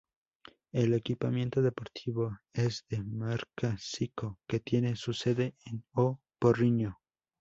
El equipamiento deportivo es de marca Zico, que tiene su sede en O Porriño.